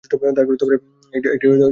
তার কোলে একটি বাচ্চা ছিল।